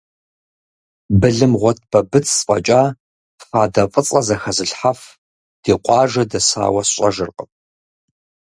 Былымгъуэт Бабыц фӀэкӀа фадэ фӀыцӀэ зэхэзылъхьэф ди къуажэ дэсауэ сщӀэжыркъым.